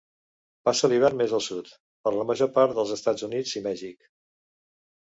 Passa l'hivern més al sud, per la major part dels Estats Units i Mèxic.